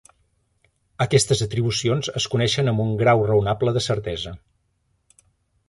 Aquestes atribucions es coneixen amb un grau raonable de certesa.